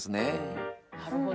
なるほど。